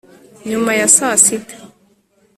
Nyuma ya saa sita